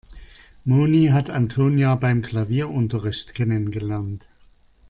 Moni hat Antonia beim Klavierunterricht kennengelernt.